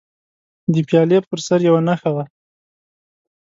د پیالې پر سر یوه نښه وه.